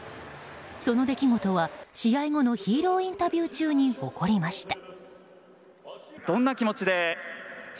その出来事は試合後のヒーローインタビュー中に起こりました。